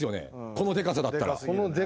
このでかさだったら。